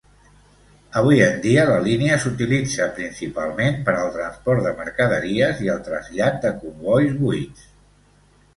Avui en dia la línia s'utilitza principalment per al transport de mercaderies i el trasllat de combois buits.